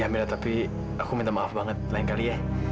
ya mila tapi aku minta maaf banget lain kali ya